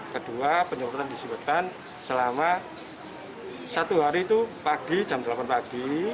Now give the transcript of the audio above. kedua penyemprotan disinfektan selama satu hari itu pagi jam delapan pagi